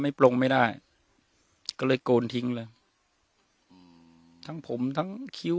ปลงไม่ได้ก็เลยโกนทิ้งเลยอืมทั้งผมทั้งคิ้ว